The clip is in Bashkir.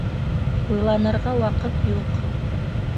Уйланырға ваҡыт юҡ.